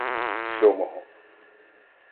Сьомого